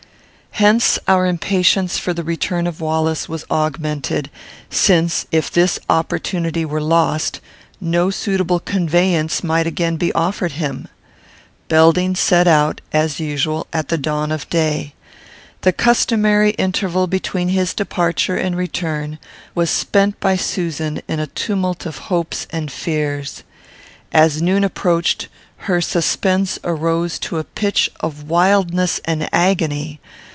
Hence our impatience for the return of Wallace was augmented; since, if this opportunity were lost, no suitable conveyance might again be offered him. Belding set out, as usual, at the dawn of day. The customary interval between his departure and return was spent by Susan in a tumult of hopes and fears. As noon approached, her suspense arose to a pitch of wildness and agony.